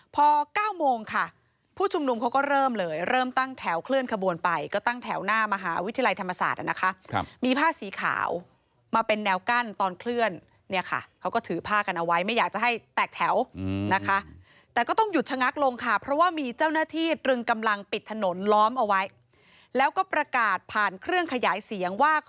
พอ๙โมงค่ะผู้ชุมนุมเขาก็เริ่มเลยเริ่มตั้งแถวเคลื่อนขบวนไปก็ตั้งแถวหน้ามหาวิทยาลัยธรรมศาสตร์นะคะมีผ้าสีขาวมาเป็นแนวกั้นตอนเคลื่อนเนี่ยค่ะเขาก็ถือผ้ากันเอาไว้ไม่อยากจะให้แตกแถวนะคะแต่ก็ต้องหยุดชะงักลงค่ะเพราะว่ามีเจ้าหน้าที่ตรึงกำลังปิดถนนล้อมเอาไว้แล้วก็ประกาศผ่านเครื่องขยายเสียงว่าค